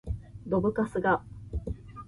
どぶカスが